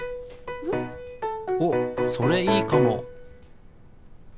おっそれいいかも。